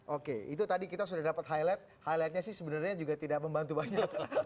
oke itu tadi kita sudah dapat highlight highlightnya sih sebenarnya juga tidak membantu banyak